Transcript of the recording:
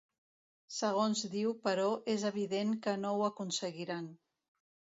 Segons diu, però, ‘és evident que no ho aconseguiran’.